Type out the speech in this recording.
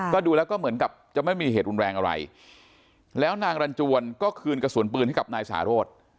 ก็ดูแล้วก็เหมือนกับจะไม่มีเหตุรุนแรงอะไรแล้วนางรันจวนก็คืนกระสุนปืนให้กับนายสาโรธ